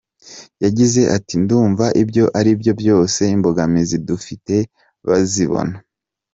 Yagize Ati″Ndumva ibyo ari byo byose imbogamizi dufite bazibona.